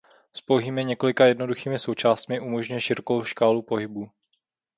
S pouhými několika jednoduchými součástmi umožňuje širokou škálu pohybů.